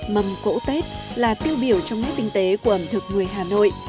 mâm cỗ tết là tiêu biểu trong nét tinh tế của ẩm thực người hà nội